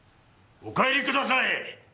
お帰りください！